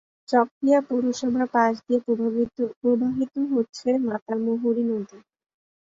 চকরিয়া পৌরসভার পাশ দিয়ে প্রবাহিত হচ্ছে মাতামুহুরী নদী।